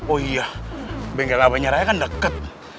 oh iya bengkel abah nyaranya kan deket